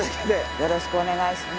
よろしくお願いします。